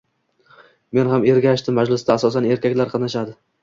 Men ham ergashdim. Majlisda asosan erkaklar qatnashadi.